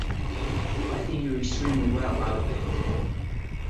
I think you're extremely well out of it.